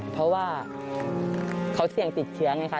เพราะว่าเขาเสี่ยงติดเชื้อไงคะ